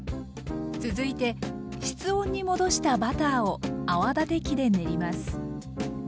続いて室温に戻したバターを泡立て器で練ります。